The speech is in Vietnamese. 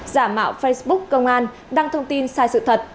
giả mạo facebook công an đăng thông tin sai sự thật